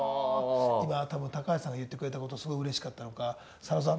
今多分高橋さんが言ってくれたことすごいうれしかったのか佐野さん